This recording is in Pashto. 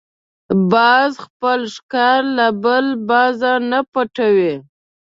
باز خپل ښکار له بل باز نه پټوي